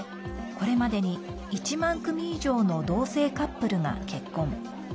これまでに１万組以上の同性カップルが結婚。